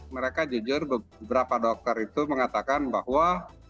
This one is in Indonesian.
mereka jujur beberapa dokter itu mengatakan bahwa